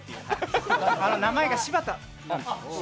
名前が、柴田なんですよ。